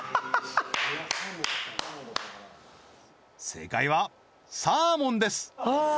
正解はサーモンですああー